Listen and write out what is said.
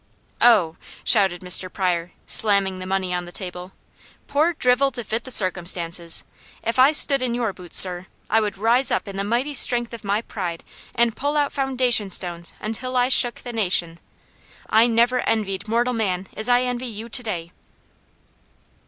'" "Oh!" shouted Mr. Pryor, slamming the money on the table. "Poor drivel to fit the circumstances. If I stood in your boots, sir, I would rise up in the mighty strength of my pride and pull out foundation stones until I shook the nation! I never envied mortal man as I envy you to day!"